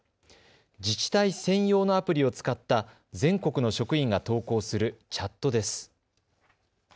自治体専用のアプリを使った全国の職員が投稿するチャットです。